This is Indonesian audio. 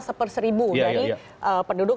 seperseribu dari penduduk